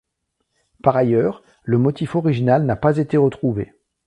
Par ailleurs, le motif original n'a pas été retrouvé.